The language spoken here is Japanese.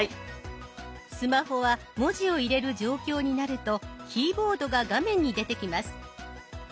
スマホは文字を入れる状況になるとキーボードが画面に出てきます。